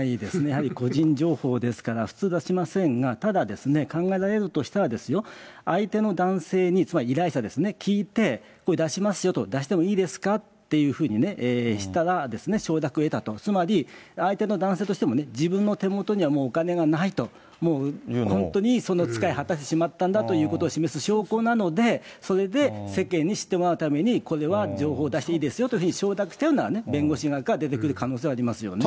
やはり個人情報ですから、普通出しませんが、ただ、考えられるとしたら、相手の男性に、つまり依頼者ですね、聞いて、これ出しますよと、出してもいいですかっていうふうにしたら、承諾を得たと、つまり、相手の男性としても、自分の手元にはもうお金がないと、本当に使い果たしてしまったんだということを示す証拠なので、それで世間に知ってもらうために、これは情報を出していいですよというふうに承諾してるんなら、弁護士側から出てくる可能性はありますよね。